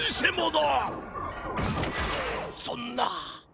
そんな。